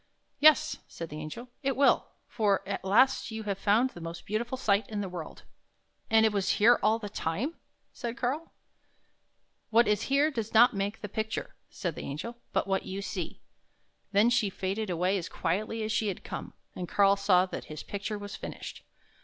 "" Yes," said the Angel, " it will; for at last you have found the most beautiful sight in the world." 60 THE HUNT FOR THE BEAUTIFUL " And it was here all the time? " said Karl. " What is here does not make the picture," said the Angel, " but what you see." Then she faded away as quietly as she had come, and Karl saw that his picture was finished.